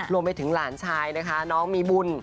รวมไปถึงหลานชายนะคะน้องมีบุญ